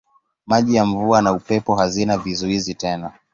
Maji ya mvua na upepo hazina vizuizi tena.